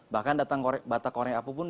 bahkan datang batak korek apupun